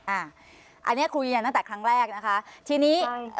อ่าอันเนี้ยครูยืนยังตั้งแต่ครั้งแรกนะคะทีนี้ใช่